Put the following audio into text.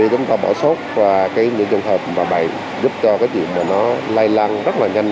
thì chúng ta bỏ sốt vào những trường hợp mà bày giúp cho cái chuyện này nó lây lăng rất là nhanh